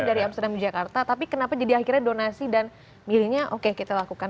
dari amsterdam ke jakarta tapi kenapa akhirnya jadi donasi dan milihnya oke kita lakukan sekarang